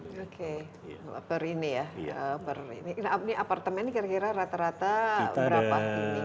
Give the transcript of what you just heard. apartment ini kira kira rata rata berapa ininya